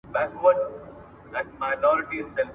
ادبي موضوعات باید په روښانه ډول بیان شي.